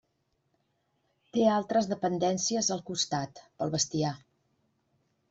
Té altres dependències al costat, pel bestiar.